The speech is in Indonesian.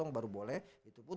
dua puluh dua baru boleh itu pun